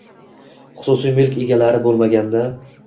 Xususiy mulk egalari bo‘lmaganda...